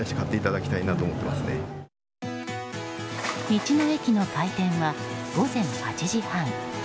道の駅の開店は午前８時半。